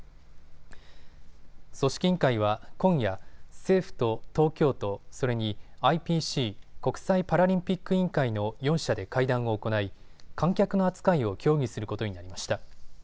組織委員会は今夜、政府と東京都、それにＩＰＣ・国際パラリンピック委員会の４者会談を行い、観客の扱いを協議することになりました。